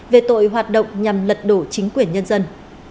về tội hoạt động nhằm lật đổ chính quyền nhân dân